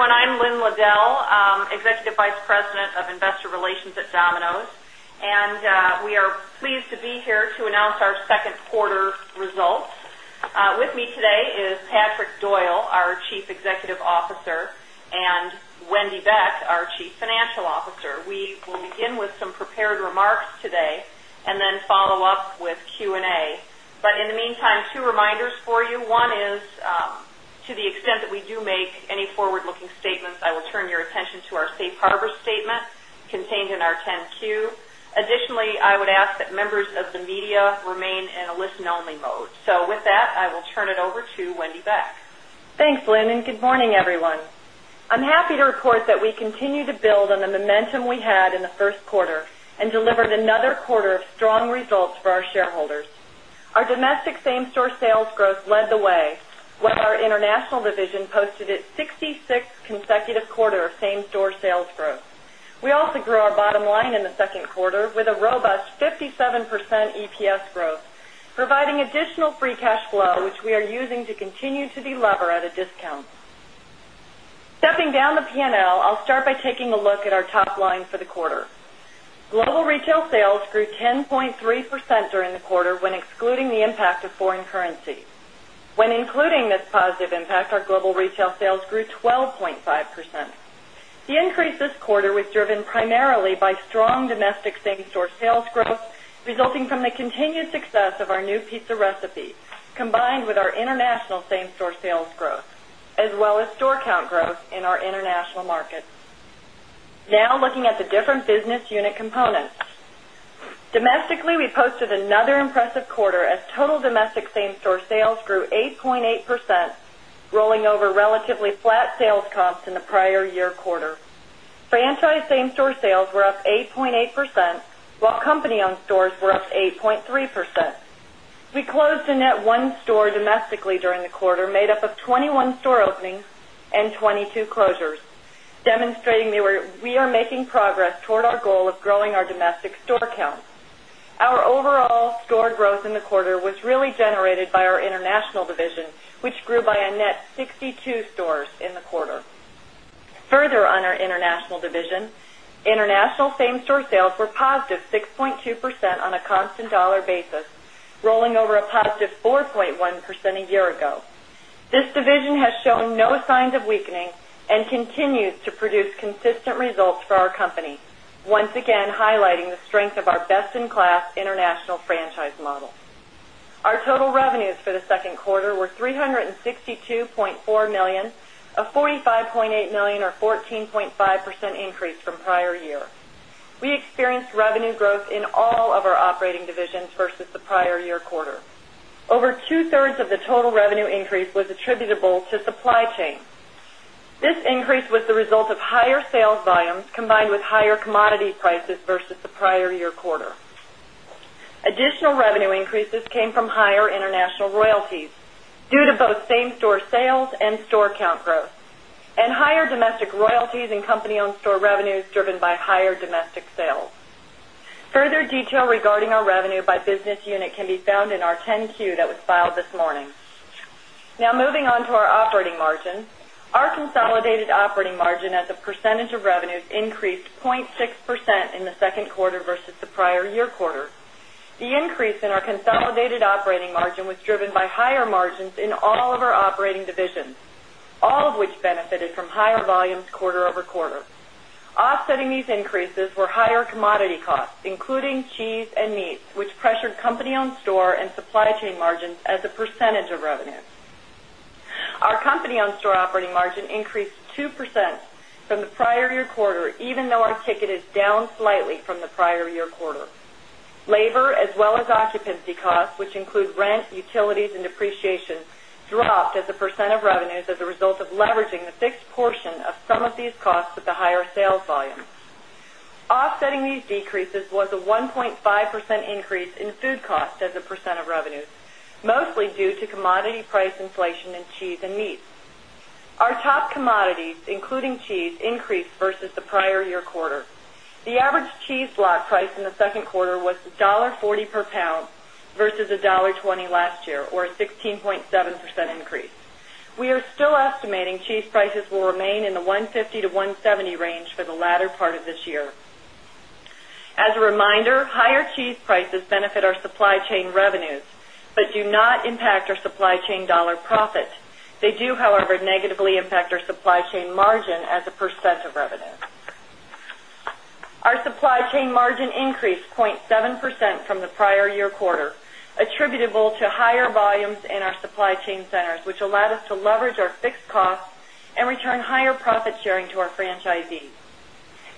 Good morning, everyone. I'm Lynn Liddell, Executive Vice President of Investor Relations at Domino's. And we are pleased to be here to announce our second quarter results. With me today is Patrick Patrick Doyle, our Chief Executive Officer and Wendy Beck, our Chief Financial Officer. We will begin with some prepared remarks today and then follow-up with Q and A. But in the meantime, two reminders for you. One is to the extent that we do make any forward looking statements, I will turn your attention to our Safe Harbor statement contained in our 10 Q. Additionally, I would ask that members of the media media remain in a listen only mode. So with that, I will turn it over to Wendy Beck. Thanks, Lynn, and good morning, everyone. I'm happy to report that we continue to build on the momentum we had in the first delivered another quarter of strong results for our shareholders. Our domestic same store sales growth led the way, while our international division posted its sixty sixth consecutive quarter of same store sales growth. We also grew our bottom line in the second quarter with a robust 57% EPS growth, providing additional free cash flow, which we are using to continue to delever at a discount. Stepping down the P and L, I'll start by taking a look at our top line for the quarter. Global retail sales grew 10.3% during the quarter when excluding the impact of foreign currency. When including this positive impact, our global retail sales grew 12.5%. The increase this quarter was driven primarily by strong domestic same store sales growth resulting from the continued success of our new pizza recipe, combined with our international same store sales growth, as well as store count growth in our international markets. Now looking at the different business unit components. Domestically, we posted another impressive quarter as total domestic same store sales grew 8.8% rolling over relatively flat sales comps in the prior year quarter. Franchise same store sales were up 8.8 while company owned stores were up 8.3%. We closed a net one store domestically during the quarter made up of 21 store openings and 22 closures, demonstrating we are making progress toward our goal of growing our domestic store count. Our overall store growth in the quarter was really generated by our international division, which grew by a net 62 stores in the quarter. Further on our international division, international same store sales were positive 6.2% on a constant dollar basis, rolling over a positive 4.1% a year ago. This division has shown no signs of weakening and continues to produce consistent results for our company, once highlighting the strength of our best in class international franchise model. Our total revenues for the second quarter were $362,400,000 a $45,800,000 or 14.5% increase from prior year. We experienced revenue growth in all of our operating divisions versus the prior year quarter. Over two thirds of the total revenue increase was attributable to supply chain. This increase was the result of higher sales volumes combined with higher commodity prices versus the prior year quarter. Additional revenue increases came from higher international royalties due to both same and store count growth and higher domestic royalties and company owned store revenues driven by higher domestic sales. Further detail regarding our revenue by business unit can be found in our 10 Q that was filed this morning. Now moving on to our operating margin, our consolidated operating margin as a percentage of revenues increased 0.6% in the second quarter versus the prior year quarter. Consolidated operating margin was driven by higher margins in all of our operating divisions, all of which benefited from higher volumes quarter over quarter. Offsetting these increases were higher commodity including cheese and meat, which pressured company owned store and supply chain margins as a percentage of revenue. Our company owned store operating margin increased 2% from the prior year quarter, even though our ticket is down slightly from the prior year quarter. Labor as well as occupancy costs, which include rent, utilities and depreciation dropped as a percent of revenues as a result of leveraging the fixed portion of some of these costs with the higher sales volume. Offsetting these decreases was a 1.5% increase in food cost as a percent of revenues, mostly due to commodity price inflation in cheese and meat. Our top commodities including cheese increased versus the prior year quarter. The average cheese lot price in the second quarter was $1.4 per pound versus $1.2 last year or 16.7% increase. We are still estimating cheese prices will remain in the $1.5 to $1.7 range for the latter part of this year. As a reminder, higher cheese prices benefit our supply chain revenues, but do not impact our supply chain dollar profit. They do however negatively impact our supply chain margin as a percent of revenue. Our supply increased 0.7% from the prior year quarter attributable to higher volumes in our supply chain centers which allowed us to leverage our fixed costs and return higher profit sharing to our franchisee.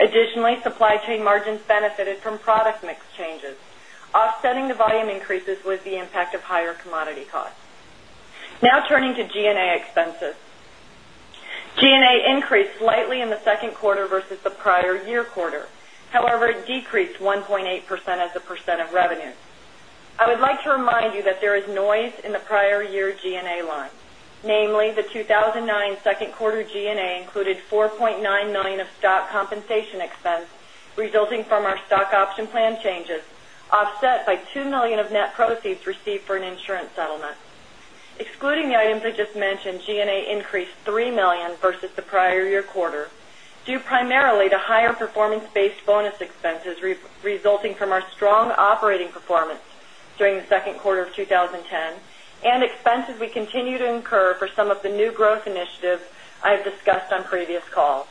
Additionally, Our supply chain margins benefited from product mix changes, offsetting the volume increases with the impact of higher commodity costs. Now turning to G and A expenses. G and A increased slightly in the second quarter versus the prior year quarter. However, it decreased 1.8% as a percent of revenue. I would like to remind you that there is noise in the prior year G and A line, namely the February G and A included 4,900,000.0 compensation expense resulting from our stock option plan changes, offset by $2,000,000 of net proceeds received for an insurance settlement. Excluding the items I just mentioned, G and A increased $3,000,000 versus the prior year quarter, due primarily to higher performance based bonus expenses resulting from our strong operating performance during the second quarter of twenty ten and expenses we continue to incur for some of the new growth initiatives I've discussed on previous calls.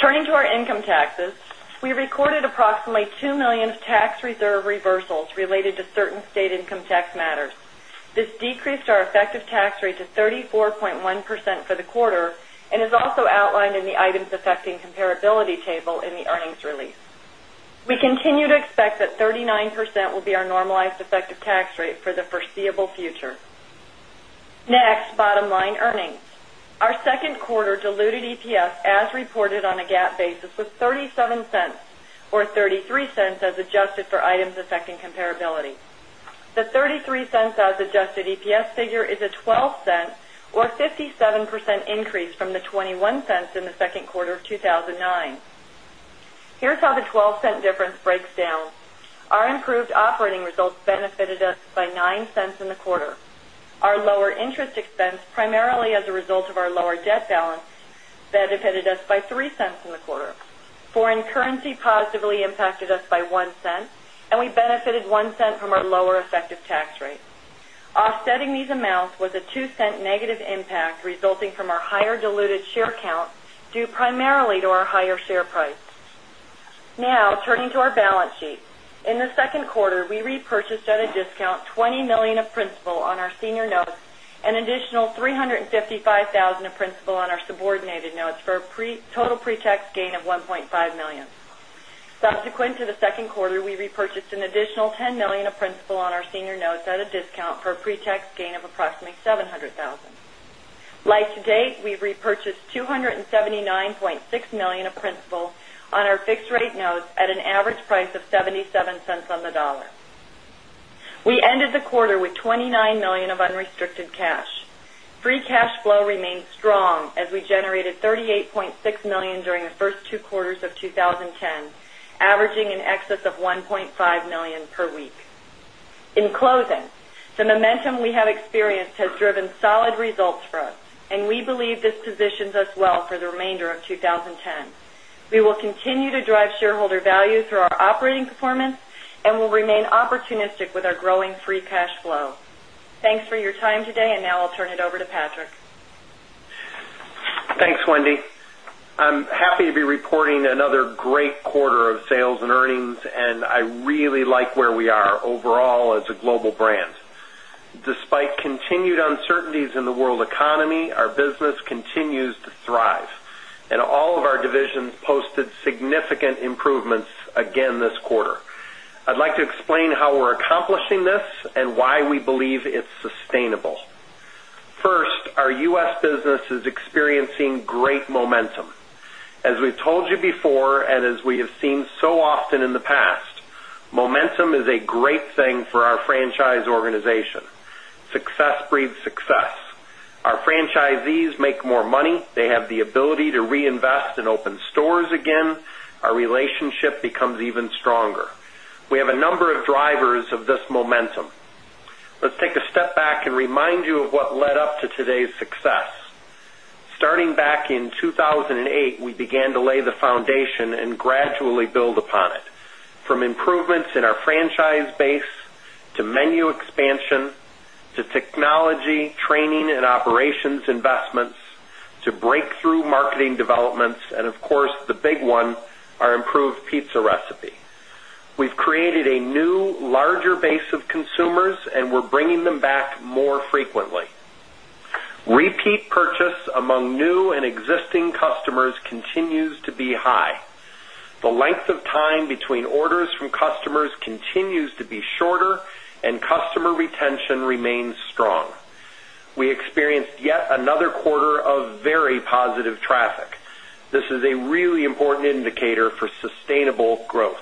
Turning to our income taxes, we recorded approximately $2,000,000 of tax reserve reversals related to certain state income tax matters. This decreased our effective tax rate to 34.1% for the quarter and is also outlined in the items affecting comparability table in the earnings release. We continue to expect that 39% will be our normalized effective tax rate for the foreseeable future. Next bottom line earnings, our second quarter diluted EPS as reported on a GAAP basis was $0.37 or $0.33 as adjusted for items affecting comparability. The $0.33 as adjusted EPS figure is percent increase from the $0.21 in the February. Here's how the $02 difference breaks down. Our improved operating results benefited us by $09 in the quarter. Our lower interest expense primarily as a result of our lower debt balance benefited us by $03 in the quarter. Foreign currency positively impacted us by $01 and we benefited $01 from our lower effective tax rate. Offsetting these amounts was a $02 negative impact resulting from our higher diluted share count due primarily to our higher share price. Now turning to our balance sheet. In the second quarter, we repurchased at a discount $2,020,000,000 dollars of principal on our senior notes, an additional $355,000 of principal on our subordinated notes for total pre tax gain of $1,500,000 Subsequent to the second quarter, we repurchased an additional $10,000,000 of principal on our senior notes at a discount for pre tax gain of approximately 700,000. Like today, we've repurchased 279,600,000.0 of principal on our fixed rate notes at an average price of $0.77 on the dollar. We ended the quarter with $29,000,000 of unrestricted cash. Free cash flow remains strong as we generated $38,600,000 during the first two quarters of twenty ten averaging in excess of $1,500,000 per week. In closing, the momentum we have experienced has driven solid results for us and we believe this positions us well for the remainder of 2010. We will continue to drive shareholder value performance and we'll remain opportunistic with our growing free cash flow. Thanks for your time today. And now I'll turn it over to Patrick. Thanks, Wendy. I'm happy to be reporting another great quarter of sales and earnings, and I really like where we are overall as a global brand. Despite continued uncertainties in the world economy, our business continues to thrive, and all of our divisions posted significant improvements again this quarter. I'd like to explain how we're accomplishing this and why we believe it's sustainable. First, our U. S. Business is experiencing great momentum. As we've told you before and as we have seen so often in the past, momentum is a great thing for our franchise organization. Success breeds success. Our franchisees make more money. They have the ability to reinvest and open stores again. Our relationship becomes even stronger. We have a number of drivers of this momentum. Let's take a step back and remind you of what led up to today's success. Starting back in 02/2008, we began to lay the foundation and gradually build upon it. From improvements in our franchise base expansion to technology, training and operations investments to breakthrough marketing developments and, of course, the big one, our improved pizza recipe. We've created a new larger base of consumers, and we're bringing them back more frequently. Repeat purchase among new and existing customers continues to be high. The length of time between orders from customers continues to be shorter, and customer retention remains strong. We experienced yet another quarter of very positive traffic. This is a really important indicator for sustainable growth.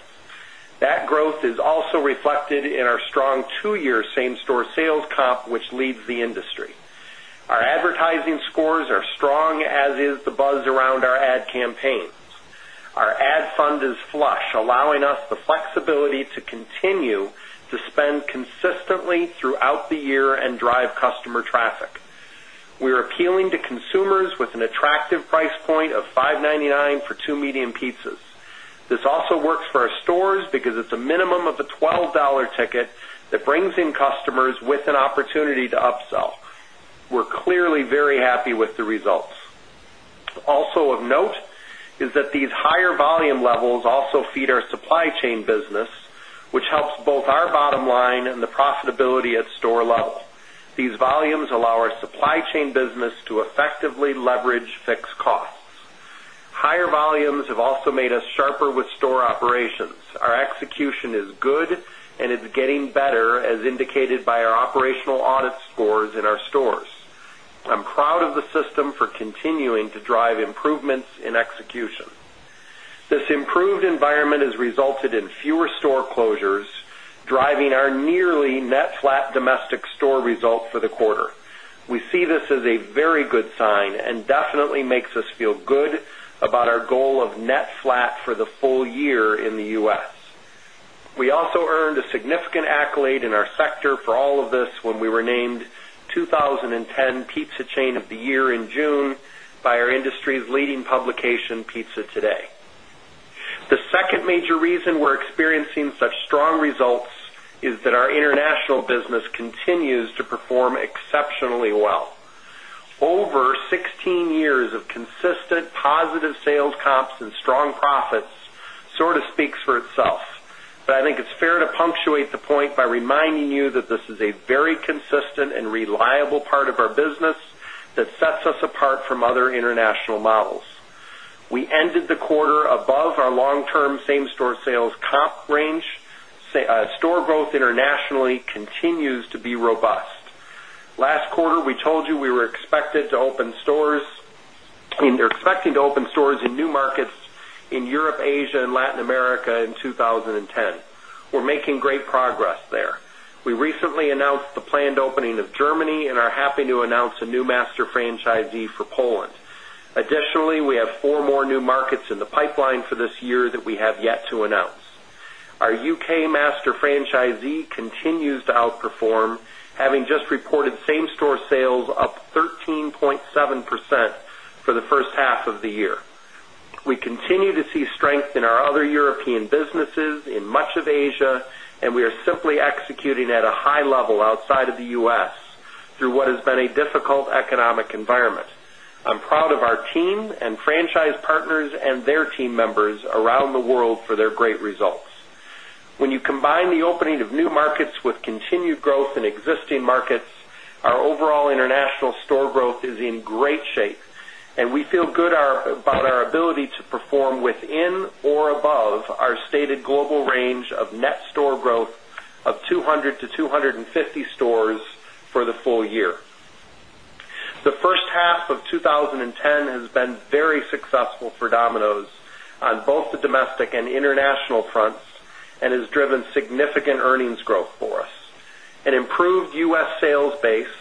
That growth is also reflected in our strong two year same store sales comp, which leads the industry. Our advertising scores are strong as is the buzz around our ad campaigns. Our ad fund is flush, allowing us flexibility to continue Our to spend consistently throughout the year and drive customer traffic. We are appealing to consumers with an attractive price point of $5.99 for two medium pizzas. This also works for our stores because it's a minimum of a $12 ticket that brings in customers with an opportunity to upsell. We're clearly very happy with the results. Also of note is that these higher volume levels also feed our supply chain business, which helps both our bottom line and the profitability at store level. These volumes allow our supply chain business to effectively leverage fixed costs. Higher volumes have also made us sharper with store operations. Our execution is good and it's getting better as indicated by our operational audit scores in our stores. I'm proud of the system for continuing to drive improvements in execution. This improved environment has resulted in fewer store closures, driving our nearly net flat domestic store results for the quarter. We see this as a very good sign and definitely makes us feel good about our goal of net flat for the full year in The U. S. We also earned a significant accolade in our sector for all of this when we were named twenty ten Pizza Chain of the Year in June by industry's leading publication Pizza Today. The second major reason we're experiencing such strong results is that our international business continues to perform exceptionally well. Over sixteen years of consistent positive sales comps and strong profits sort of speaks for itself. But I think it's fair to punctuate the point by reminding you that this is a very consistent and reliable part of our business that sets us apart from other international models. We ended the quarter above our long term same store sales comp range. Store growth internationally continues to be robust. Last quarter, we told you we were expecting to open stores in new markets in Europe, Asia and Latin America in 2010. We're making great progress there. We recently announced the planned opening of Germany and are happy to announce a new master franchisee for Poland. Additionally, we have four more new markets in the pipeline for this year that we have yet to announce. Our UK master franchisee continues to outperform, having just reported same store sales up 13.7 for the first half of the year. We continue to see strength in our other European businesses in much of Asia, and we are simply executing at a high level outside of The U. S. Through what has been a difficult economic environment. I'm proud of our team and franchise partners and their team members around the world for their great results. When you combine the opening of new existing markets, our overall international store growth is in great shape, and we feel good about our ability to perform within or above our stated global range of net store growth of 200 to two fifty stores for the full year. The first half of twenty ten has been very successful for Domino's on both the domestic and international fronts and has driven significant earnings growth for improved U. S. Sales base,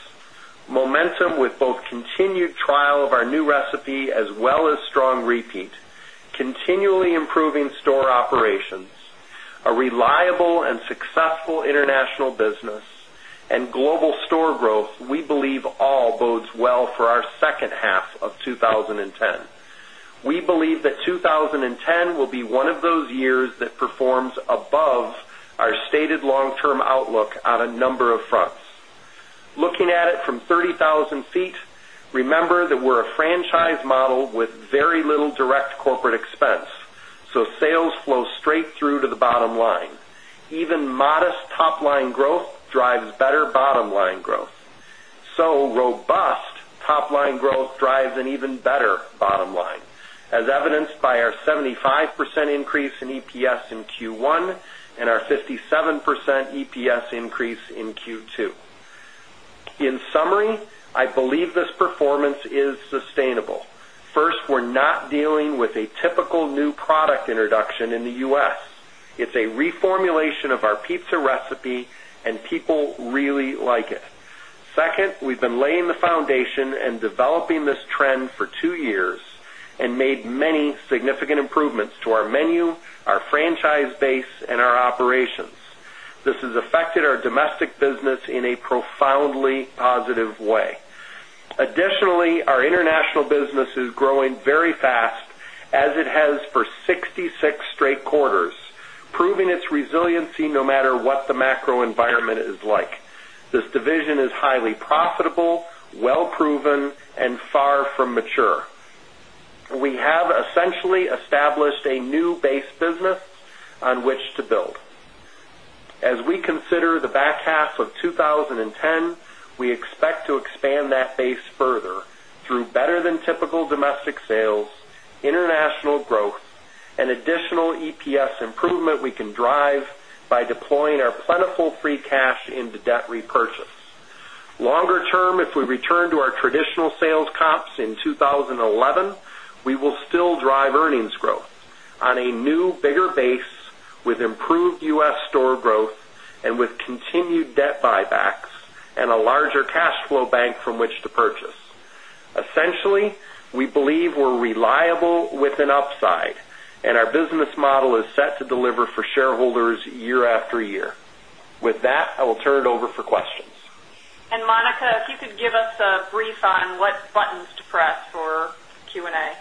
momentum with both continued trial of our new recipe as well as strong repeat, continually improving store operations, a reliable international business and global store growth, we believe all bodes well for our second half of twenty ten. We believe that 2010 will be one of those years that performs above our stated long outlook on a number of fronts. Looking at it from 30,000 feet, remember that we're a franchise model with very little direct corporate expense. So sales flow straight through to the bottom line. Even modest top line growth drives better bottom line growth. So robust top line growth drives an even better bottom line, as evidenced by our 75% increase in EPS in Q1 and our 57% EPS increase in Q2. In summary, I believe this performance is sustainable. First, we're not dealing with a typical new product introduction in The U. S. It's a reformulation of our pizza recipe and people really like it. Second, we've been laying the foundation and developing this trend for two years and made many significant improvements menu, our franchise base and our operations. This has affected our domestic business in a profoundly positive way. Additionally, our international business is growing very fast as it has for sixty six straight quarters, proving its resiliency no matter what the macro environment is like. This division is highly profitable, well proven and far from mature. Essentially established a new base business on which to build. As we consider the back half of twenty ten, we expect to expand that base further through better than typical domestic international growth and additional EPS improvement we can drive by deploying our plentiful free cash into debt repurchase. Longer term, if we return to our traditional sales comps in 2011, we will still drive earnings growth on a new bigger base with improved U. S. Store growth and with continued debt buybacks and a larger cash flow bank from which to purchase. Essentially, we believe we're reliable with an upside, and our business model is set to deliver for shareholders year after year. With that, I will turn it over for questions. And Monica, if you could give us a brief on what buttons to press for Q and A.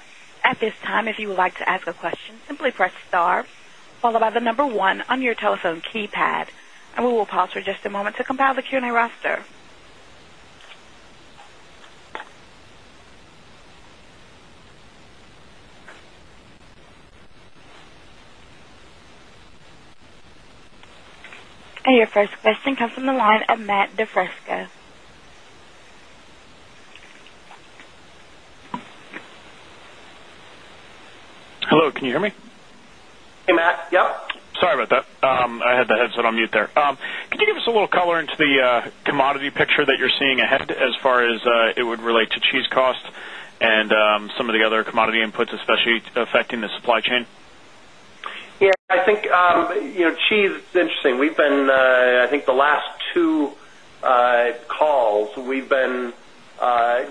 And your first question comes from the line of Matt DiFrisco. On mute there. Could you give us a little color into the commodity picture that you're seeing ahead as far as it would relate to cheese cost and some of the other commodity inputs, especially affecting the supply chain? Yes. I think cheese is interesting. We've been I think the last two calls, we've been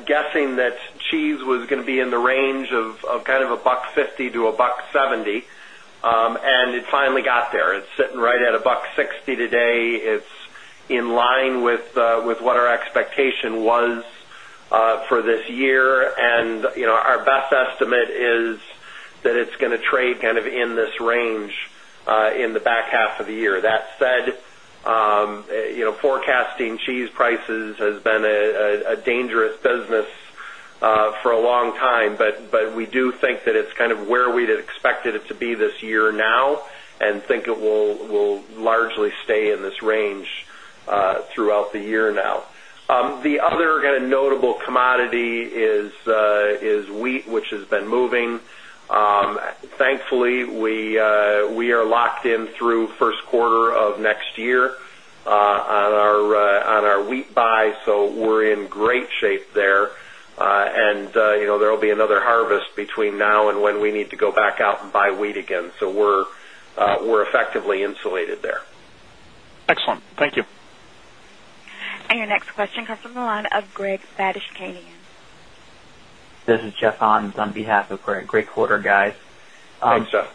guessing that cheese was going to be in the range of kind of 1.5 to $1.7 and it finally got there. It's sitting right at $1.6 today. It's in line with what our expectation was for this year. And our best estimate is that it's going to trade kind of in this range in the back half of the year. That said, forecasting cheese prices has been a dangerous business for a long time. But we do think that it's kind of where we'd expected it to be this year now and think it will largely stay in this range throughout the year now. The other kind of notable commodity is wheat, which has been moving. Thankfully, we are locked in through first quarter of next year on our wheat buy. So we're in great shape there. And there will be another harvest between now and when we need to go back out and buy wheat again. So we're effectively insulated there. Excellent. Thank you. And your next question comes from the line of Greg Badishkanian. This is Jeff Hans on behalf of Greg. Great quarter, guys. Thanks, Jeff.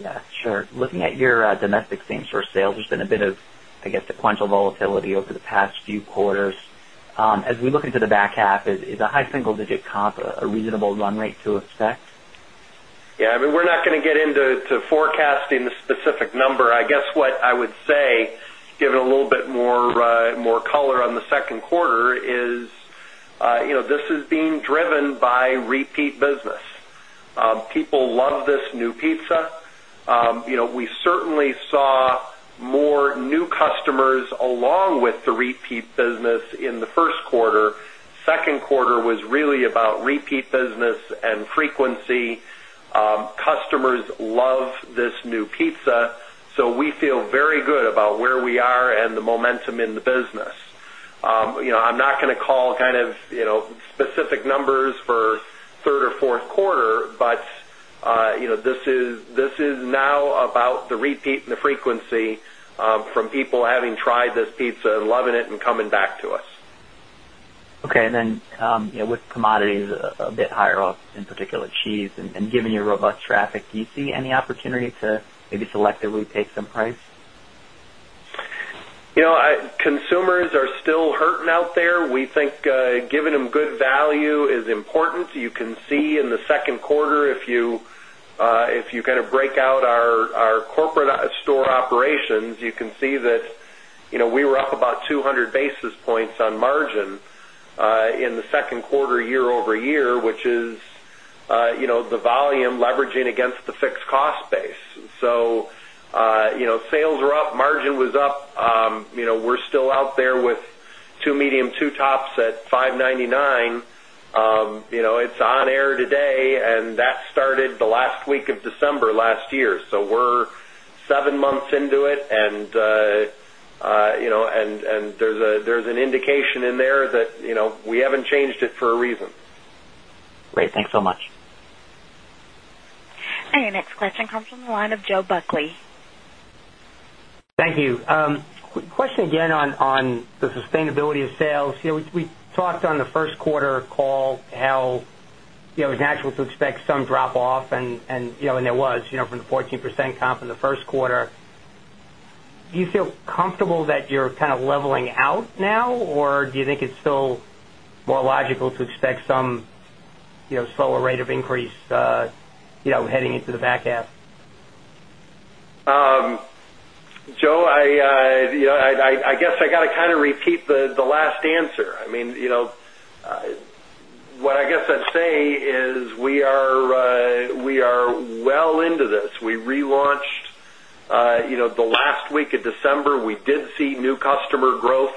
Yes, sure. Looking at your domestic same store sales, there's been a bit of, I guess, sequential volatility over the past few quarters. As we look into the back half, is a high single digit comp a reasonable run rate to expect? Yes. I mean, we're not going to get into forecasting the specific number. I guess what I would say, given a little bit more color on the second quarter is this is being driven by repeat business. People love this new pizza. We certainly saw more new customers along with the repeat business in the first quarter. Second quarter was really about repeat business and frequency. Customers love this new pizza. So we feel very good about where we are and the momentum in the business. I'm not going to call kind of specific numbers for third or fourth quarter, but this is now about the repeat and the frequency from people having tried this pizza and loving it and coming back to us. Okay. And then with commodities a bit higher off, in particular cheese, and given your robust traffic, do you see any opportunity to selectively take some price? Consumers are still hurting out there. We think giving them good value is important. You can see in the second quarter, if you kind of break out our corporate store operations, you can see that we were up about 200 basis points on margin in the second quarter year over year, which is the volume leveraging against the fixed cost base. Sales were up, margin was up. We're still out there with two medium, two tops at $5.99 It's on air today and that started the December. So we're seven months into it, and there's an indication in there that we haven't changed it for a reason. Great. Thanks so much. And your next question comes from the line of Joe Buckley. Thank you. Question again on the sustainability of sales. We talked on the first quarter call how was natural to expect some drop off and there was from the 14% comp in the first quarter. Do you feel comfortable that you're kind of leveling out now? Or do you think it's still more logical to expect some slower rate of increase heading into the back half? Joe, I guess I got to kind of repeat the last answer. I mean, what I guess I'd say is we are well into this. We relaunched the December. We did see new customer growth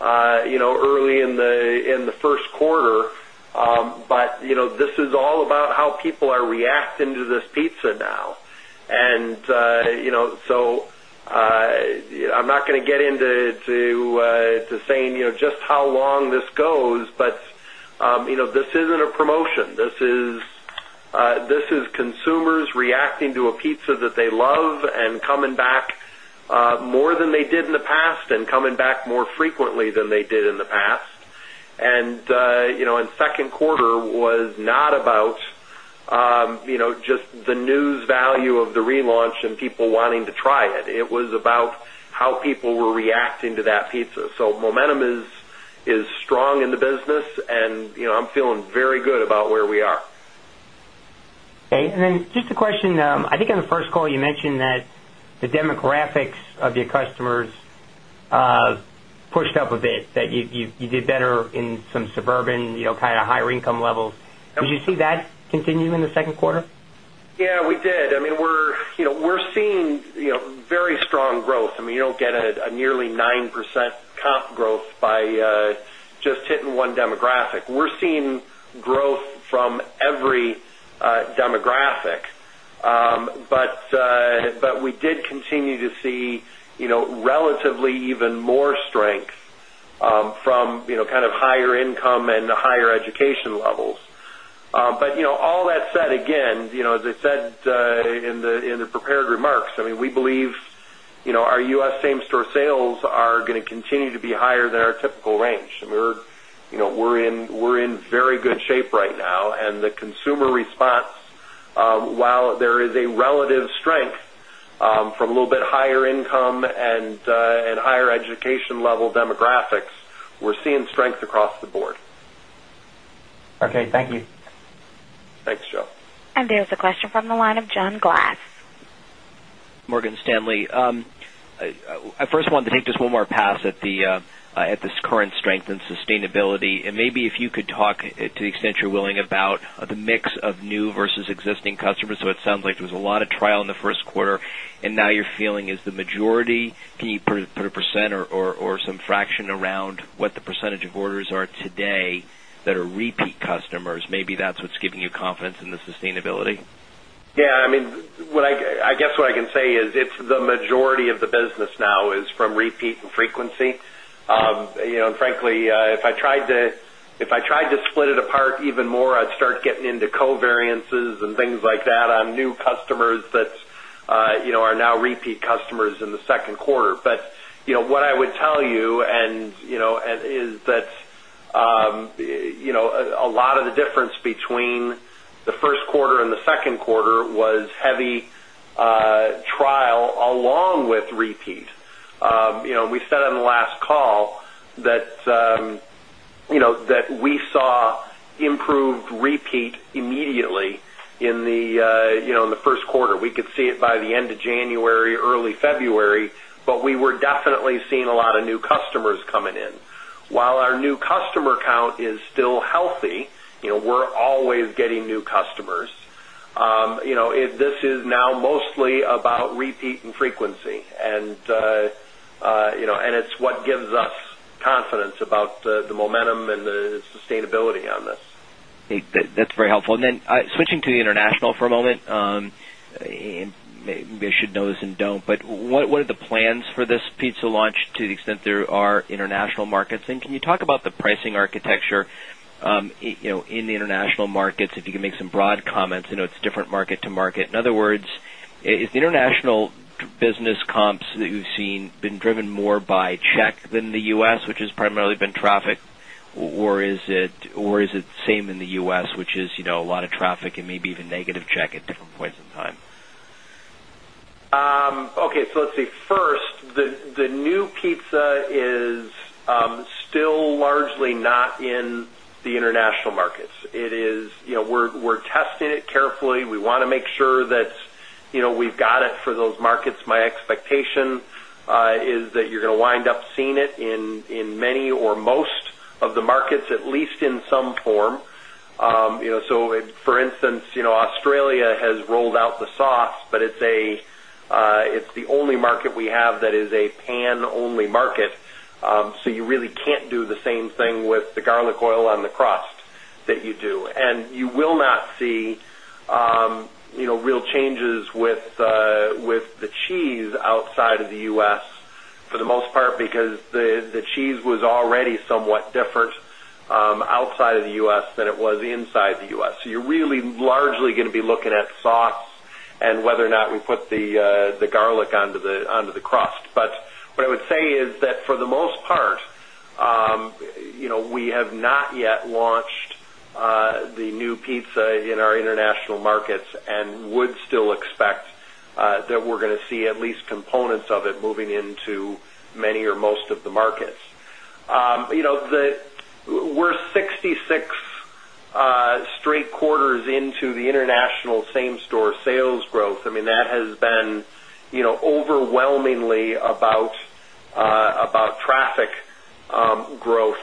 early in the first quarter. But this is all about how people are reacting to this pizza now. And so I'm not going to get into saying just how long this goes, but this isn't a promotion. This is consumers reacting to a pizza that they love and coming back more than they did in the past and coming back more frequently than they did in the past. And second quarter was not about just the news value of the relaunch and people wanting to try it. It was about how people were reacting to that pizza. So momentum is strong in the business, and I'm feeling very good about where we are. Okay. And then just a question. I think in the first call, you mentioned that the demographics of your customers pushed up a bit, that you did better in some suburban kind of higher income levels. Did you see that continue in the second quarter? Yes, we did. I mean, we're seeing very strong growth. I mean, you don't get a nearly 9% comp growth by just hitting one demographic. We're seeing growth from every demographic. But we did continue to see relatively even more strength from kind of higher income and higher education levels. But all that said, again, as I said in prepared remarks, I mean, we believe our U. S. Same store sales are going to continue to be higher than our typical range. And we're in very good shape right now. And the consumer response, while there is a relative strength from a little bit higher income and higher education level demographics, we're seeing strength across the board. Okay. Thank you. Thanks, Joe. And there's a question from the line of John Glass. Morgan Stanley. I first want to take just one more pass at the at this current strength and sustainability. And maybe if you could talk the extent you're willing about the mix of new versus existing customers. So it sounds like there was a lot of trial in the first quarter. And now you're feeling is the majority, can you put a percent or some fraction around what the percentage of orders are today that are repeat customers, maybe that's what's giving you confidence in the sustainability? Yes. I mean, what I I guess what I can say is it's the majority of the business now is from repeat and frequency. Frankly, if I tried to split it apart even more, I'd start getting into covariances and things like that on new customers that are now repeat customers in the second quarter. But what I would tell you and is that a lot of the difference between the first quarter and the second quarter was heavy trial along with repeat. We said on the last call that we saw improved repeat immediately in the first quarter. We could see it by the January, early February, but we were definitely seeing a lot of new customers coming in. While our new customer count is still healthy, we're always getting new customers. This is now mostly about repeat and frequency, And it's what gives us confidence about the momentum and the sustainability on this. That's very helpful. And then switching to the international for a moment. Maybe I should know and don't, but what are the plans for this pizza launch to the extent there are international markets? And can you talk about the pricing architecture in the international markets, if you can make some broad comments, it's different market to market. In other words, is the international business comps that you've seen been driven more by check than The U. S, which has primarily been traffic? Or is it same in The U. S, which is a lot of traffic and maybe even negative check at different points in time? Okay. So let's see. First, the new pizza is still largely international markets. It is we're testing it carefully. We want to make sure that we've got it for those markets. My expectation is that you're going to wind up seeing it in many or most of the markets, at least in some form. So for instance, Australia has rolled out the sauce, but it's the only market we have that is a pan only market. So you really can't do the same thing with the garlic oil on the crust that you do. And you will not see real changes with the cheese outside of The U. S. For the most part because the cheese was already somewhat different outside of The U. S. Than it was inside The U. S. So you're really largely going to be looking at sauce and whether or not we put the garlic onto the crust. But what I would say is that for the most part, we have not yet launched the new pizza in our international markets and would still expect that we're going to see at least components of it moving into many or most of the markets. We're sixty six straight quarters into the international same store sales growth. I mean, that has been overwhelmingly about traffic growth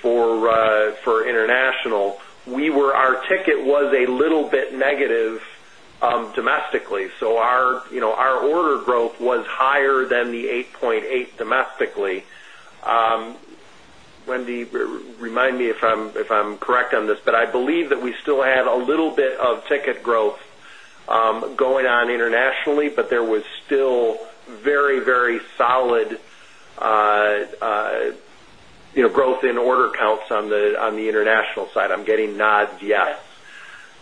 for international, we were our ticket was a little bit negative domestically. So our order growth was higher than the 8.8 domestically. Wendy, remind me if I'm correct on this, but I believe that we still have a little bit of ticket growth going on internationally, but there was still very, very solid growth in order counts on the international side. I'm getting nods, yes.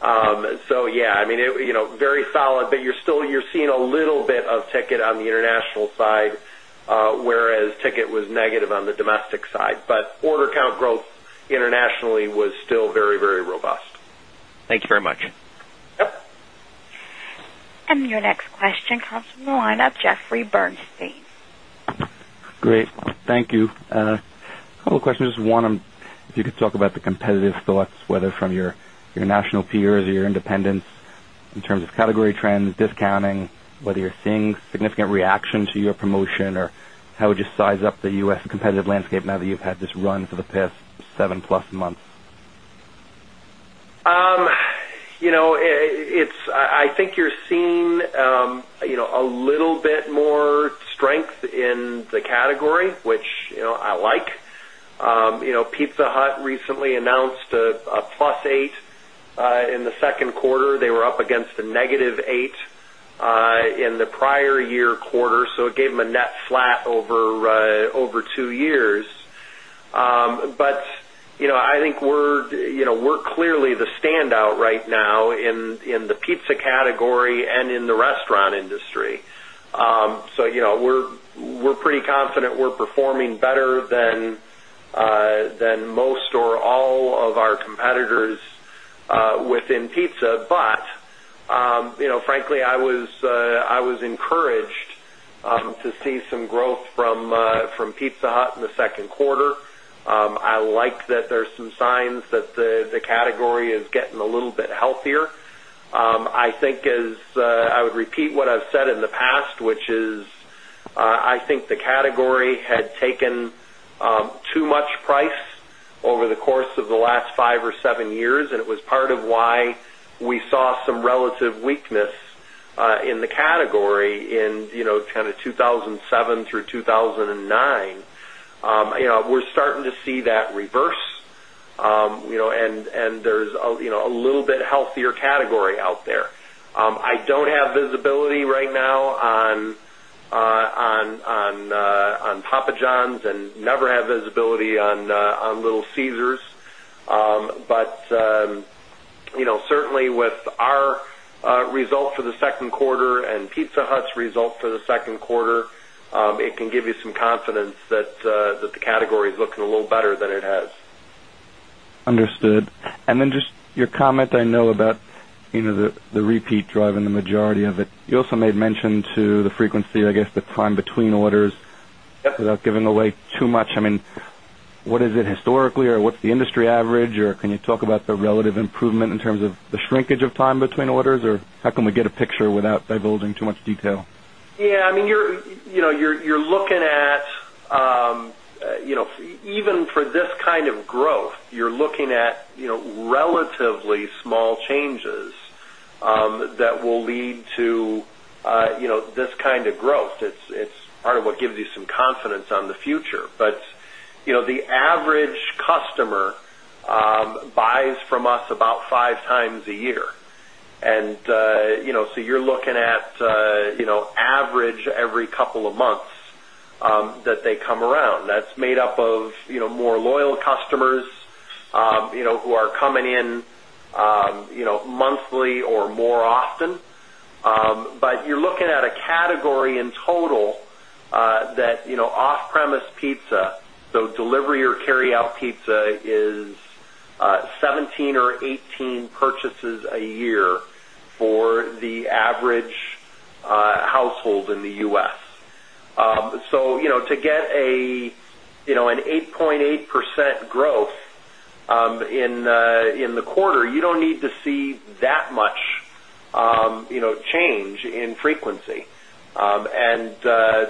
So yes, I mean, very solid, but you're still you're seeing a little bit of ticket on the international side, whereas ticket was negative on the domestic side. But order count growth internationally was still very, very robust. And your next question comes from the line of Jeffrey Bernstein. A couple of questions. One, if you could talk about the competitive thoughts, whether from your international peers or your independents in terms of category trends, discounting, whether you're seeing significant reaction to your promotion or how would you size up The U. S. Competitive landscape now that you've had this run for the past seven plus months? I think you're seeing a little bit more strength in the category, which I like. Pizza Hut recently announced a plus 8% in the second quarter. They were up against a negative 8% in the prior year quarter. So it gave them a net flat over two years. But I think we're clearly the standout right now in the pizza category and in the restaurant industry. So we're pretty confident we're performing better than most or all of our competitors within pizza. But frankly, I was encouraged to see some growth from Pizza Hut in the second quarter. I like that there are some signs that the category is getting a little bit healthier. I think as I would repeat what I've said in the past, which is I think the category had taken too much price over the course of the last five or seven years. And it was part of why we saw some relative weakness in the category in kind of 2007 through 02/2009. We're starting to see that reverse and there's a little bit healthier category out there. I don't have visibility right now on Papa John's and never have visibility on Little Caesars. But certainly, with our results for the second quarter and Pizza Hut's results for the second quarter, it can give you some confidence that the category is looking a little better than it has. Understood. And then just your comment, I know, about the repeat driving majority of it. You also made mention to the frequency, I guess, the time between orders without giving away too much. Mean, what is it historically or what's the industry average? Or can you talk about the relative improvement in terms of the shrinkage of time between orders? Or how can we get a picture without divulging too much detail? Yes. I mean, you're looking at even for this kind of growth, you're looking at relatively small changes that will lead to this kind of growth. It's part of what gives you some confidence on the future. But the average customer buys from us about five times a year. And so you're looking at average every couple of months that they come around. That's made up of more loyal customers who are coming in monthly or more often. But you're looking at a category in total that off premise pizza, so delivery or carryout pizza is 17 or 18 purchases a year for the average household in The U. S. So to get an 8.8% growth in the quarter, you don't need to see that much change in frequency. And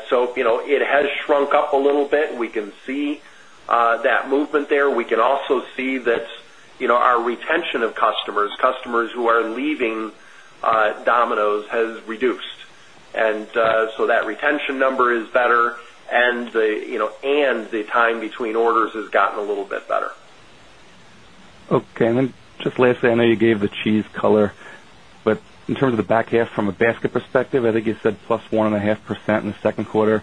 so it has shrunk up a little bit. We can see that movement there. We can also see that our retention of customers, customers who are leaving Domino's has reduced. And so that retention number is better and the time between orders has gotten a little bit better. Okay. And then just lastly, know you gave the cheese color, but in terms of the back half from a basket perspective, I think you said plus 1.5% in the second quarter.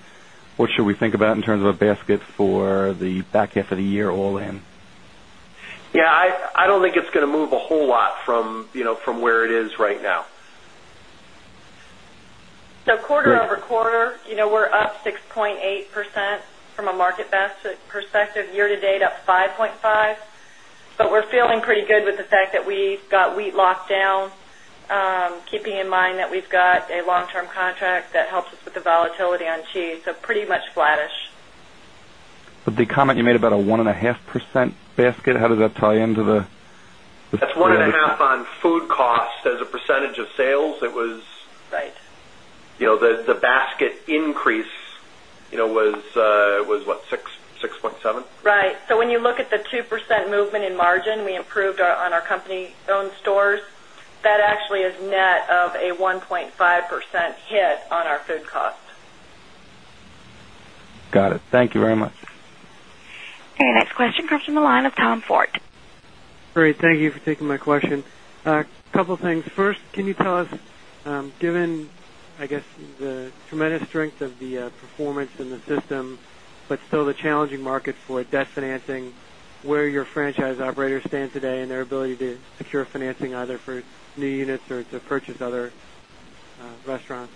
What should we think about in terms of a basket for the back half of the year all in? Yes, I don't think it's going to move a whole lot from where it is right now. So quarter over quarter, we're up 6.8% from a market basket perspective year to date up 5.5%. But feeling pretty good with the fact that we got wheat locked down, keeping in mind that we've got a long term contract that helps us with the volatility on cheese, so pretty much flattish. But the comment you made about a 1.5% basket, how does that tie into the That's 1.5 on food costs as a percentage of sales. It was Right. The basket increase was, what, 6.7%? Right. So when you look at the 2% movement in margin, we improved on our company owned stores. That actually is net of a 1.5 hit on our food cost. Got it. Thank you very much. Your next question comes from the line of Great. Thank you for taking my question. Couple of things. First, can you tell us, given, I guess, the tremendous strength of the performance in the system, but still challenging market for debt financing, where your franchise operators stand today and their ability to secure financing either for new units or to purchase other restaurants?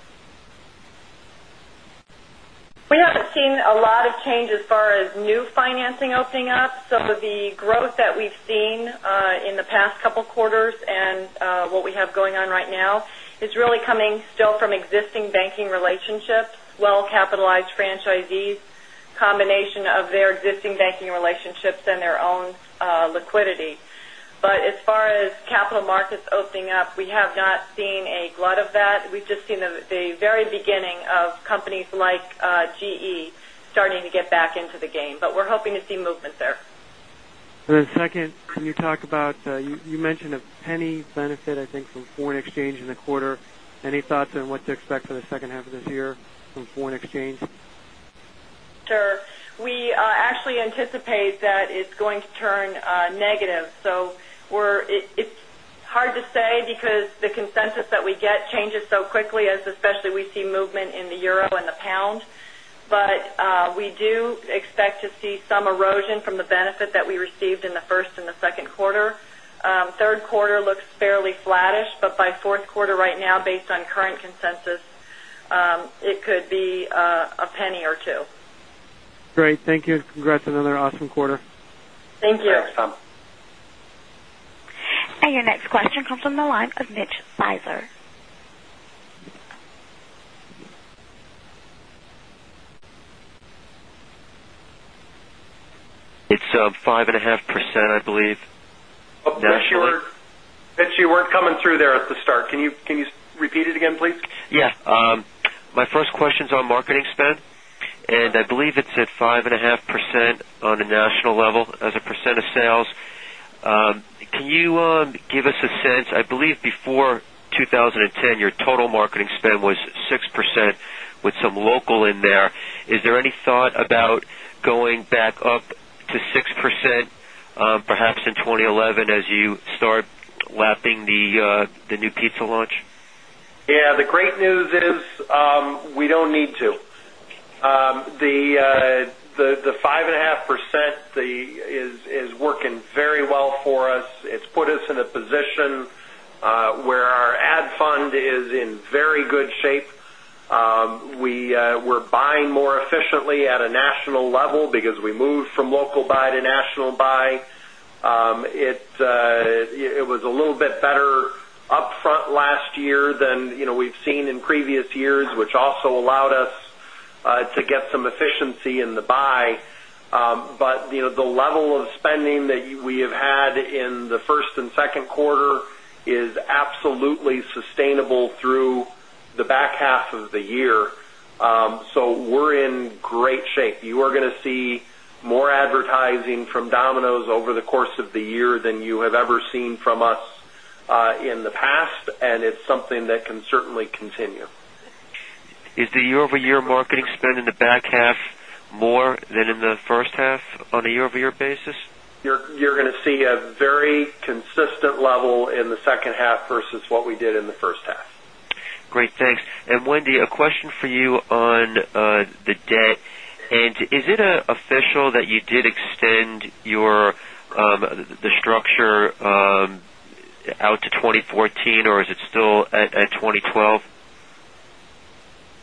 We haven't seen a lot of change as far as new financing opening up. Some of the growth that we've seen in the past couple of quarters and what we have going on right now is really coming still from existing banking relationships, well capitalized franchisees, combination of their existing banking relationships and their own liquidity. But as far as capital markets opening up, we have not seen a glut of that. We've just seen the very beginning of companies like GE starting to get back into the game. But we're hoping to see movement there. And then second, can you talk about you mentioned a penny benefit, I think, from foreign exchange in the quarter. Any thoughts on what to expect for the second half of this year from foreign exchange? Sure. We actually anticipate that it's going to turn negative. So we're it's hard to say because the consensus that we get changes so quickly as especially we see movement in the euro and the pound. But we do expect to see some erosion from the benefit that we received in the first and the second quarter. Third quarter looks fairly flattish, but by fourth quarter right based on current consensus, it could be a penny or two. Great, thank you. Congrats on another awesome quarter. You. And your next question comes from the line of Mitch Sizer. It's 5.5%, I believe. Mitch, you weren't coming through there at the start. Can you repeat it again, please? Yes. My first question is on marketing spend. And I believe it's at 5.5% on the national level as a percent of sales. Can you give us a sense, I believe before 2010, your total marketing spend was 6% with some local in there. Is there any thought about going back up to 6% perhaps in 2011 as you start lapping the new pizza launch? Yes. The great news is we don't need to. The 5.5% is working very well for us. It's put us in a position where our ad fund is in very good shape. We were buying more efficiently at a national level because we moved from local buy to national buy. It was a little bit better upfront last year than we've seen in previous years, which also allowed us to get some efficiency in the buy. But the level of spending that we have had in the first and second quarter is absolutely sustainable through the back half of the year. So we're in great shape. You are going to see more advertising from Domino's over the course of the year than you have ever seen from us in the past, and it's something that can certainly continue. Is the year over year marketing spend in the back half more than in the first half on a year over year basis? You're going to see a very consistent level in the second half versus what we did in the first half. Great. And Wendy, a question for you on the debt. And is it official that you did extend your the structure out to 2014 or is it still at 2012?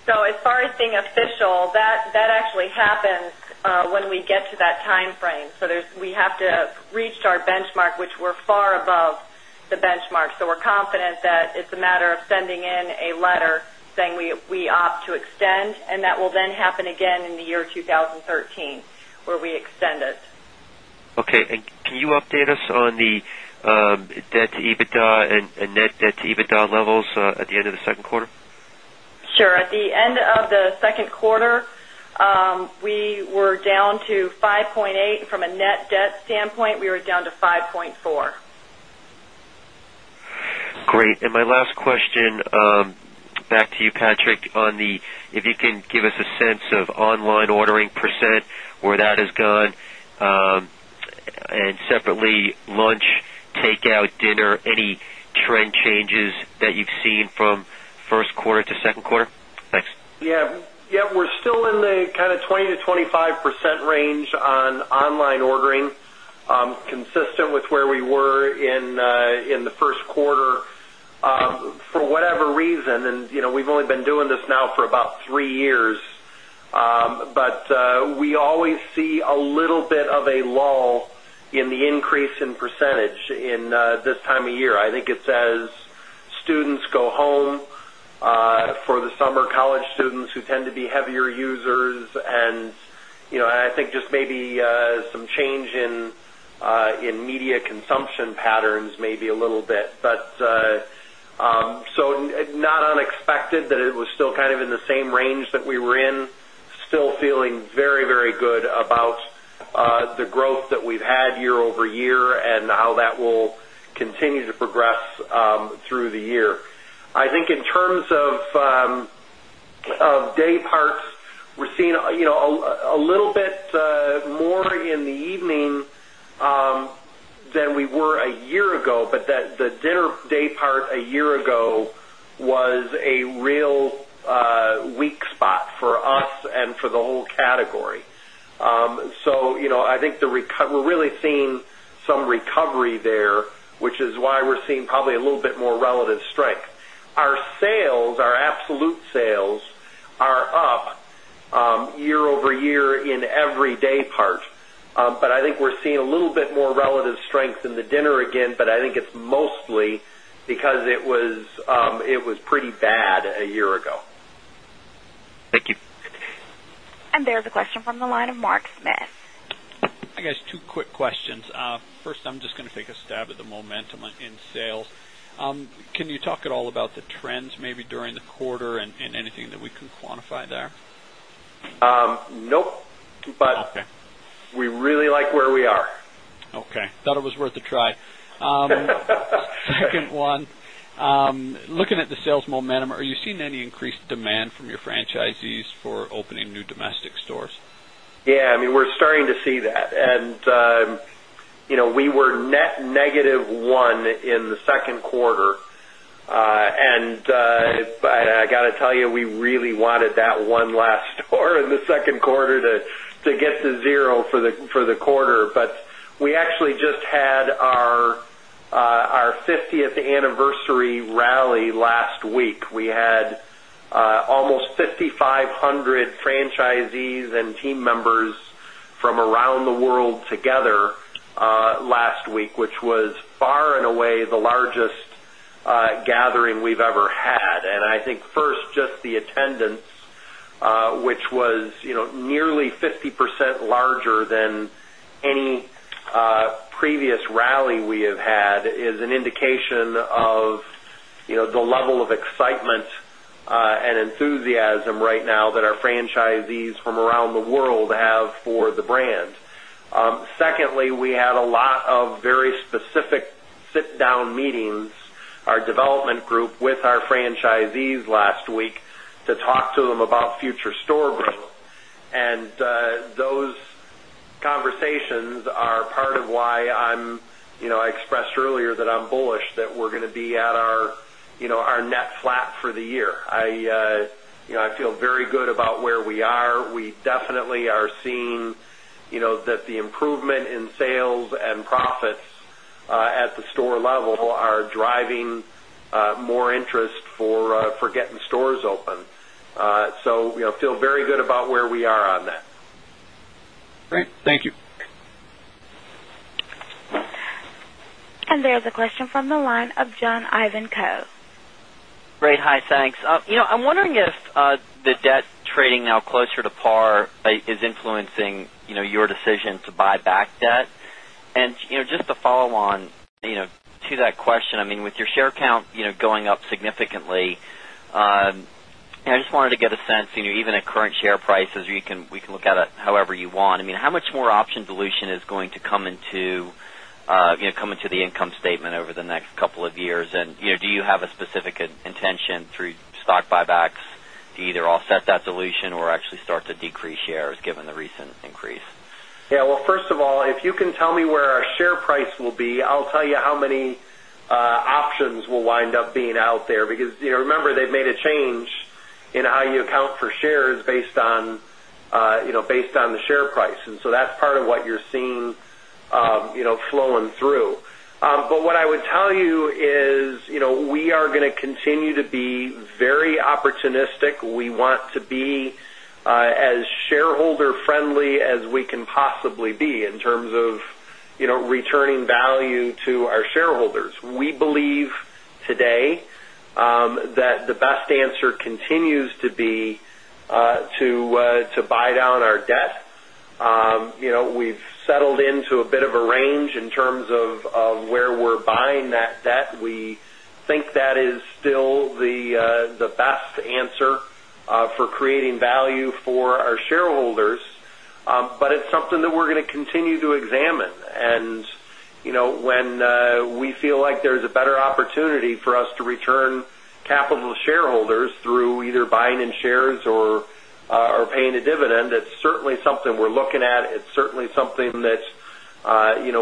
So as far as being official that actually happens when we get to that timeframe. So there's we have to reach our benchmark, which we're far above So we're confident that it's a matter of sending in a letter saying we opt to extend and that will then happen again in the year 2013 where we extend it. Okay. And can you update us on EBITDA and net debt to EBITDA levels at the end of the second quarter? Sure. At the end of the second quarter, we were down to 5.8%. From a net debt standpoint, we were down to 5.4 Great. And my last question, back to you, Patrick, on the if you can give us a sense of online ordering percent, where that has gone? And separately, lunch, takeout, dinner, any trend changes that you've seen from first quarter to second quarter? Thanks. Yes. We're still in the kind of 20% to 25% range consistent with where we were in the first quarter. For whatever reason, and we've only been doing this now for about three years, but we always percent see a little bit of a lull in the increase in percentage in this time of year. I think it says students go home for the summer college students who tend to be heavier users. And I think just maybe some change in media consumption patterns maybe a little bit. But so not unexpected that it was still kind of in the same range that we were in, still feeling very, very good about the growth that we've had year over year and how that will continue to progress through the year. I think in terms of dayparts, we're seeing a little bit more in the evening than we were a year ago, but that dinner daypart a year ago was a real weak spot for us and for the whole category. So I think the we're really seeing some recovery there, which is why we're seeing probably a little bit more relative strength. Our sales our absolute sales are up year over year in every daypart. But I think we're seeing a little bit more relative strength in the dinner again, but I think it's mostly mostly because it was pretty bad a year ago. And there's a question from the line of Mark Smith. Two quick questions. First, I'm just going to a stab at the momentum in sales. Can you talk at all about the trends maybe during the quarter and anything that we can quantify there? Nope. We really like where we are. Okay. Thought it was worth a try. Second one, looking at the sales momentum, are you seeing any increased demand from your franchisees for opening new domestic stores? Yes. I mean, we're starting to see that. And we were net negative one in the second quarter. And but I got to tell you, we really wanted that one last store in the second quarter to get to zero for the quarter. But we actually just had our fiftieth anniversary rally last week. We had almost 5,500 franchisees and team members from around the world together last week, which was far and away the largest gathering we've ever had. And I think first, just the attendance, which was nearly 50% larger than any previous rally we have had is an indication of the level of excitement and enthusiasm right now that our franchisees from around the world have for the brand. Secondly, we had a lot of very specific sit down meetings, our development group with our franchisees last week to talk to them about future store growth. And those conversations are part of why I'm I expressed earlier that I'm bullish that we're going to be at our net flat for the year. I feel very good about We definitely are seeing that the improvement in sales and profits at the store level are driving more interest for getting stores open. So we feel very good about where we are on that. Great. Thank you. And there's a question from the line of Jon Ivanko. Great. Hi, thanks. I'm wondering if the debt trading now closer to par is influencing your decision to buy back debt. And just a follow on to that question, I mean, with your share count going up significantly, I just wanted to get a sense, even at current share prices, we can look at it however you want. I mean how much more option dilution is going to come into the income statement over the next couple of years? And do you have a specific intention through stock buybacks to either offset that dilution or actually start to decrease shares given the recent increase? Yes. Well, first of all, if you can tell me where our share price will be, I'll tell you how many options will wind up being out there. Because remember, they've made a change in how you account for shares based on the share price. And so that's part of what you're seeing flowing through. But what I would tell you is we are going to continue to be very opportunistic. We want to be as shareholder friendly as we can possibly be in terms of returning value to our shareholders. We believe today that the best answer continues to be to buy down our debt. We've settled into a bit of a range in terms of where we're buying that debt. We think that is still the best answer for creating value for our shareholders. But it's something that we're going to continue to examine. And when we feel like there's a better opportunity for us to return capital to shareholders through either buying in shares or paying a dividend, it's certainly something we're looking at. It's certainly something that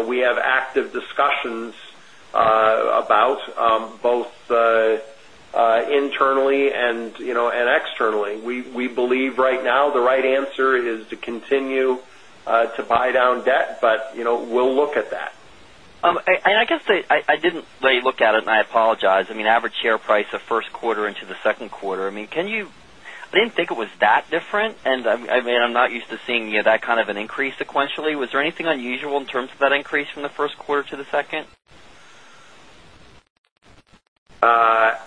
we have active discussions about, both internally and externally. We believe right now the right answer is to continue to buy down debt, but we'll look at that. And I guess I didn't really look at it, and I apologize. I mean, share price of first quarter into the second quarter, I mean, can you I didn't think it was that different. And I mean, I'm not used to seeing that kind of an increase sequentially. Was there anything unusual in terms of that increase from the first quarter to the second?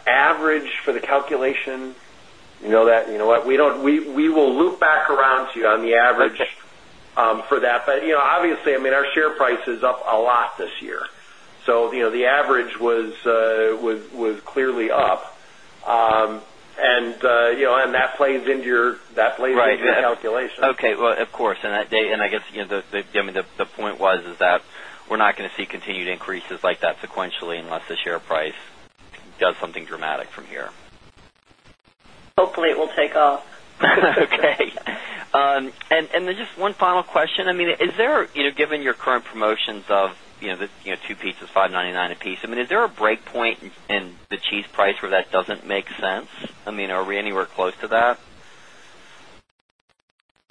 Average for the calculation, know that you know what, we don't we will loop back around to you on the average for that. But obviously, I mean, our share is up a lot this year. So the average was clearly up. And that plays into your Right. Okay. Well, of course. And I guess, I mean, the point was is that we're not going to see continued increases like that sequentially unless the share price does something dramatic from here. Hopefully, it will take off. Okay. And then just one final question. I mean, is there given your current promotions of the two pizzas $5.99 a piece, I mean, is there a break point in the cheese price where that doesn't make sense? I mean, are we anywhere close to that?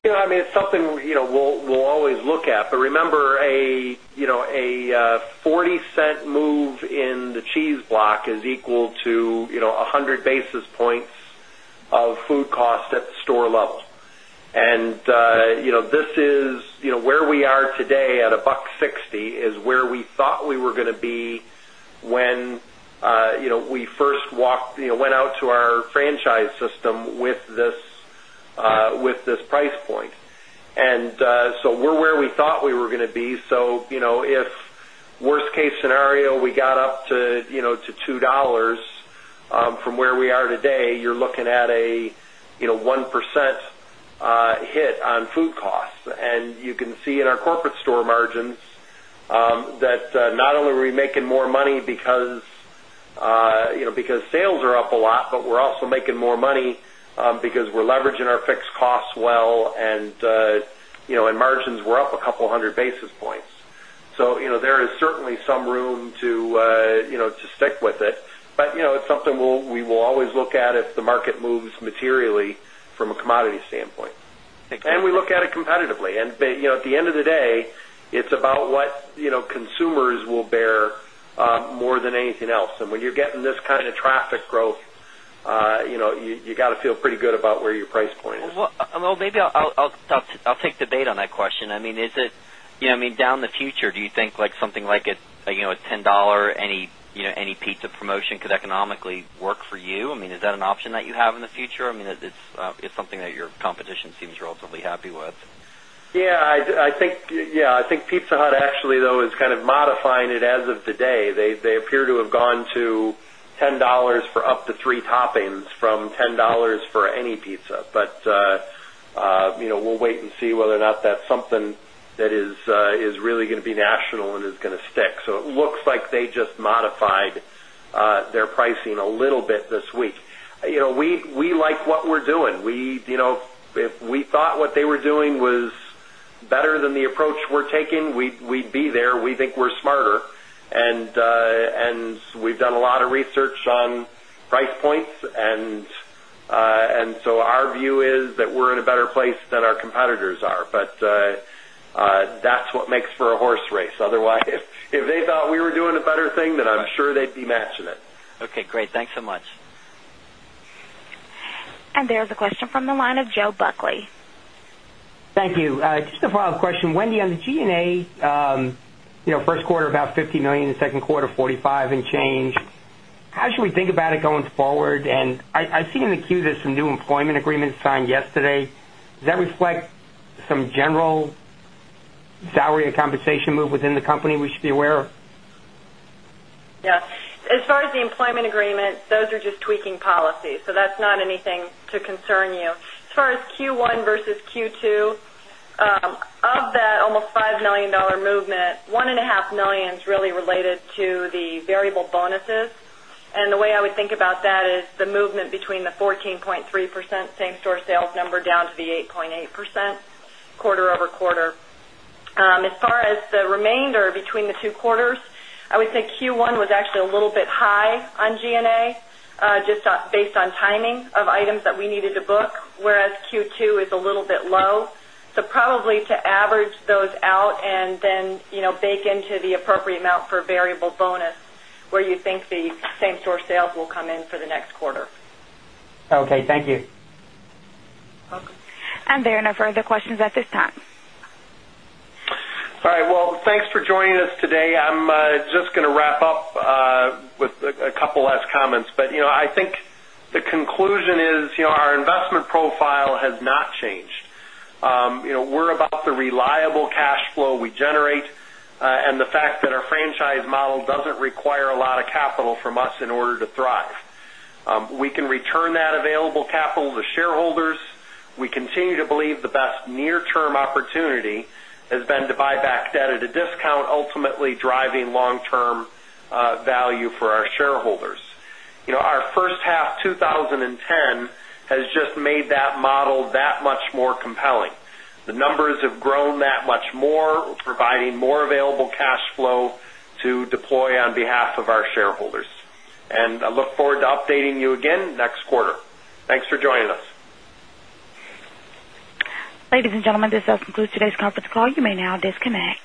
I mean, it's something we'll always look at. But remember, $0.40 move in the cheese block is equal to 100 basis points of food cost at store level. And this is where we are today at $1.6 is where we thought we were going to be when we first walked went out to our franchise system with this price point. And so we're where we thought we were going to be. So if worst case scenario, we got up to $2 from where we are today, you're looking at a 1% hit on food costs. And you can see in our corporate store margins that not only are we making more money because sales are up a lot, but we're also making more money because we're leveraging our fixed costs well and margins were up a couple of 100 basis points. So there is certainly some room to stick with it. But it's something we will always look at if the market moves materially from a commodity standpoint. And we look at it competitively. And at the end of the day, it's about what consumers will bear more than anything else. And when you're getting this kind of traffic growth, you got to feel pretty good about where your price point is. Well, maybe I'll take the bait on that question. I mean, is it I mean, down the future, do you think like something like a $10 any pizza promotion could economically work for you? I mean, is that an option that you have in the future? I mean, it's something that your competition seems relatively happy with. Yeah, I think yeah, I think Pizza Hut actually though is kind of modifying it as of today. They appear to have gone to $10 for up to three toppings from $10 for any pizza. But we'll wait and see whether or not that's something that is really going to be national and is going to stick. So it looks like they just modified their pricing a little bit this week. We like what we're doing. We if we thought what they were doing was better than the approach we're taking, we'd be there. We think we're smarter. And we've done a lot of research on price points. And so our view is that we're in better place than our competitors are. But that's what makes for a horse race. Otherwise, if they thought we were doing a better thing, then I'm sure they'd be matching it. And there's a question from the line of Joe Buckley. Thank you. Just a follow-up question. Wendy, on the G and A, first quarter about $50,000,000 and second quarter 45,000,000 and change. How should we think about it going forward? And I see in the queue there's some new employment agreements signed yesterday. Does that reflect some general salary or compensation move within the company we should be aware of? Yes. As far as employment agreement, those are just tweaking policies. So that's not anything to concern you. As far as Q1 versus Q2, of that almost $5,000,000 movement, 1,500,000.0 is really related to the variable bonuses. And the way I would think about that is the movement between the 14.3% same store sales number down to the 8.8% quarter over quarter. As far as the remainder between the two quarters, I would say Q1 was actually a little bit high on G and A, just based on timing of items that we needed to book, whereas Q2 is a little bit low. So probably to average those out and then bake into the appropriate amount for variable bonus where you think the same store sales will come in for the next quarter. And there are no further questions at this time. All right. Well, thanks for joining us today. I'm just going to wrap up with a couple of last comments. But I think the conclusion is our investment profile has not changed. We're about the reliable cash flow we generate and the fact that our franchise model doesn't require a lot of capital from us in order to thrive. We can return that available capital to shareholders. We continue to believe the best near term opportunity has been to buy back debt at a discount, ultimately driving long term value for our shareholders. Our first half twenty ten has just made that model that much more compelling. The numbers have grown that much more, providing more available cash flow to deploy on behalf of our shareholders. And I look forward to updating you again next quarter. Thanks for joining us. Ladies and gentlemen, this does conclude today's conference call. You may now disconnect.